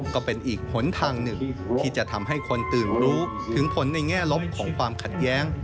ก็เป็นอีกหนทางหนึ่งที่จะทำให้คนตื่นรู้ถึงผลในแง่ลบของความขัดแย้ง